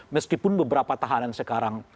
meskipun beberapa tahanan sekarang